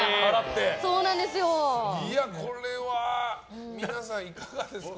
これは皆さんいかがですか。